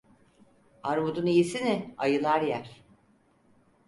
Armudun iyisini ayılar yer.